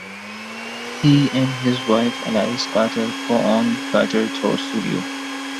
He and his wife Alice Carter co-own Carter Thor Studio.